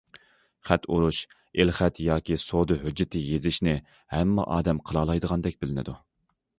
خەت ئۇرۇش، ئېلخەت ياكى سودا ھۆججىتى يېزىشنى ھەممە ئادەم قىلالايدىغاندەك بىلىنىدۇ.